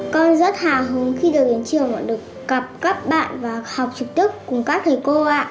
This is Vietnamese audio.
con rất hào hứng khi được đến trường được gặp các bạn và học trực tiếp cùng các thầy cô ạ